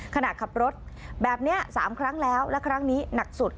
ขณะขับรถแบบนี้๓ครั้งแล้วและครั้งนี้หนักสุด